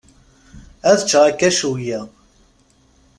Ad ččeɣ akka cwiya.